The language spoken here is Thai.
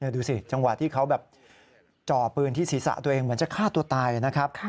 ดูสิจังหวะที่เขาแบบจ่อปืนที่ศีรษะตัวเองเหมือนจะฆ่าตัวตายนะครับ